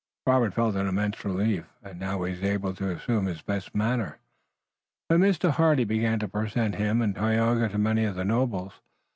Robert felt an immense relief, and now he was able to assume his best manner when Mr. Hardy began to present him and Tayoga to many of the notables.